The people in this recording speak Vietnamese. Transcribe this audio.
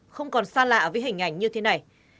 không còn xa lạ với hình ảnh như thế này